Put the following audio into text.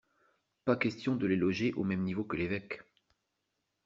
Pas question de les loger au même niveau que l'évêque.